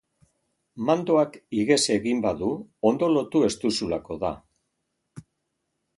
Mandoak ihes egin badu ondo lotu ez duzulako da.